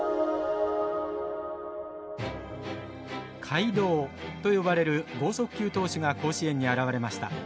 怪童と呼ばれる剛速球投手が甲子園に現れました。